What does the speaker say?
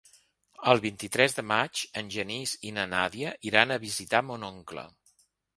El vint-i-tres de maig en Genís i na Nàdia iran a visitar mon oncle.